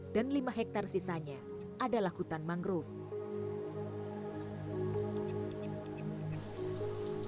dan lima hektar sisanya adalah hutan mangrove